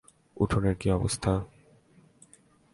উঠোনের কি অবস্থা?